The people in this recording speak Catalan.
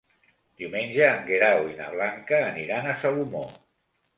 Diumenge en Guerau i na Blanca aniran a Salomó.